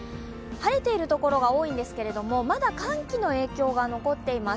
晴れているところが多いんですけれども、まだ寒気の影響が残っています。